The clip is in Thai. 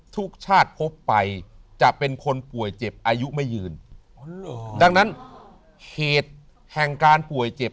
ทุกชาติพบไปจะเป็นคนป่วยเจ็บอายุไม่ยืนดังนั้นเหตุแห่งการป่วยเจ็บ